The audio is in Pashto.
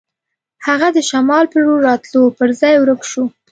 هغه د شمال په لور راتلو پر ځای ورک شو.